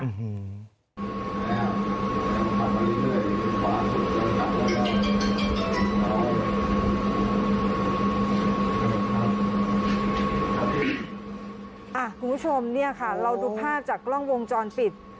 คุณผู้ชมเราดูภาพจากกล้องวงจรปิด